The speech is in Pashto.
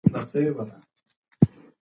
افغانستان باید پیاوړی شي.